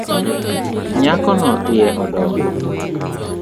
Nyakono iye odongo.